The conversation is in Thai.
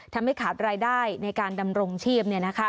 ทำให้ขาดรายได้ในการดำรงชีพ